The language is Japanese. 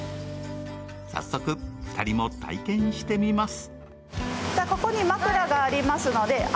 早速、２人も体験してみます。